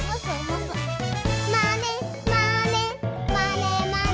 「まねまねまねまね」